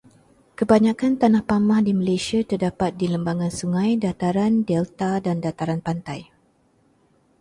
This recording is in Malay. Kebanyakan tanah pamah di Malaysia terdapat di lembangan sungai, dataran, delta dan dataran pantai.